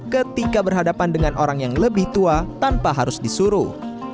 ketika berhadapan dengan orang yang lebih tua tanpa harus disuruh